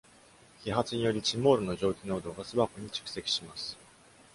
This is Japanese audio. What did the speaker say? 揮発により、チモールの蒸気濃度が巣箱に蓄積します。